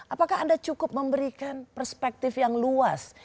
apakah anda cukup memberikan perspektif yang luas